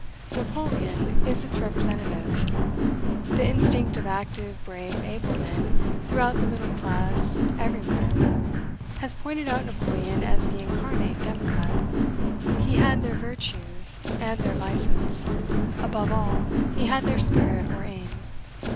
Napoleon is its representative. The instinct of active, brave, able men, throughout the middle class everywhere, has pointed out Napoleon as the incarnate Democrat. He had their virtues, and their vices; above all, he had their spirit or aim.